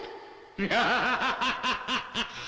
ウハハハ！